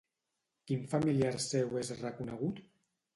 Quin familiar seu és reconegut?